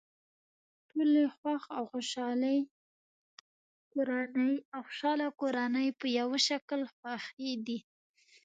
ټولې خوښ او خوشحاله کورنۍ په یوه شکل خوښې دي.